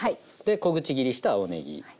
小口切りした青ねぎ。